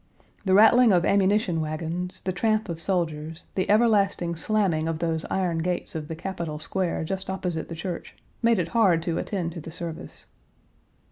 The rattling of ammunition wagons, the tramp of soldiers, the everlasting slamming of those iron gates of the Capitol Square just opposite the church, made it hard to attend to the service.